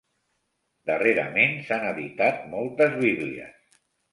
Darrerament s'han editat moltes bíblies.